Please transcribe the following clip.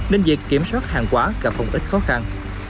nên việc kiểm soát hàng quá gặp không ít khó khăn